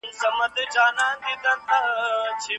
والیانو د خلګو ستونزي اوریدلې.